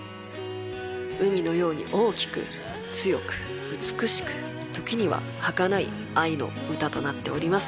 海のように大きく、強く、美しく、ときにははかない愛の歌となっております。